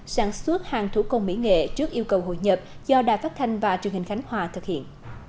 sản xuất hàng thủ công mỹ nghệ trước yêu cầu hội nhập do đài phát thanh và truyền hình khánh hòa thực hiện